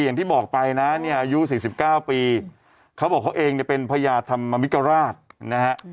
อย่างที่บอกไปนะเนี่ยอายุ๔๙ปีเขาบอกเขาเองเนี่ยเป็นพญาธรรมมิกราชนะฮะ